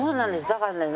だからね。